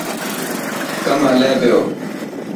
ڪم هلي پيو.